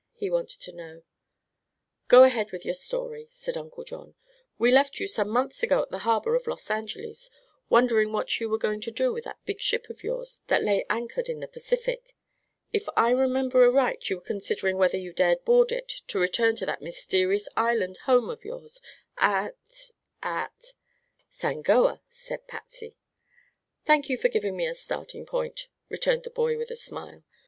he wanted to know. "Go ahead with your story," said Uncle John. "We left you some months ago at the harbor of Los Angeles, wondering what you were going to do with that big ship of yours that lay anchored in the Pacific. If I remember aright, you were considering whether you dared board it to return to that mysterious island home of yours at at " "Sangoa," said Patsy. "Thank you for giving me a starting point," returned the boy, with a smile.